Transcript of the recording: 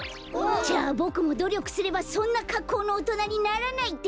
じゃあボクもどりょくすればそんなかっこうのおとなにならないってことか！